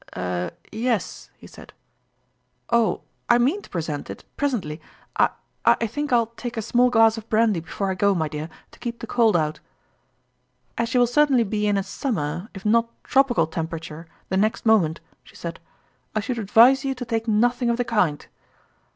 " Er yes," he said ;" oh ! I mean to pre sent it presently. I I think I'll take a small glass of brandy before 1 go, my dear, to keep the cold out." " As you will certainly be in a summer, if not tropical, temperature the next moment," she said, " I should advise you to take nothing of the kind."